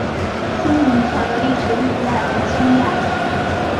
仙人桥的历史年代为清代。